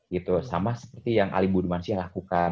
gitu sama seperti yang ali budi mansyah lakukan